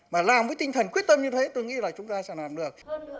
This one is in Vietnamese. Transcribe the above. mà làm với tinh thần quyết tâm như thế tôi nghĩ là chúng ta sẽ làm được